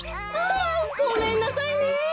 あごめんなさいね。